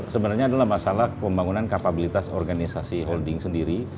sebenarnya adalah masalah pembangunan kapabilitas organisasi holding sendiri